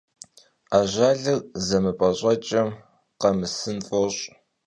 Ajjalır zemıp'eş'eç'ım khemısın f'oş'.